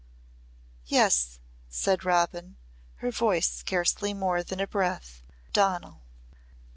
"Yes," said Robin, her voice scarcely more than a breath, "Donal."